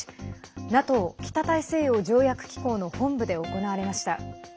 ＮＡＴＯ＝北大西洋条約機構の本部で行われました。